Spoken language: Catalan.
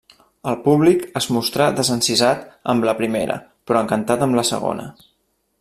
El públic es mostrà desencisat amb la primera, però encantat amb la segona.